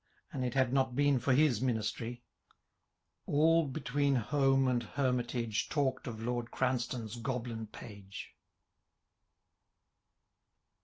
An it had not been for his ministry. All between Home and Hermitage, Talk'd of Lord Cranstoun's Goblin Pagn.